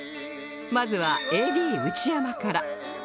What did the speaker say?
まずは ＡＤ 内山から